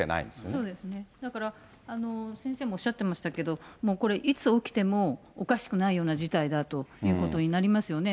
そうですね、だから先生もおっしゃってましたけど、これ、いつ起きてもおかしくないような事態だということになりますよね。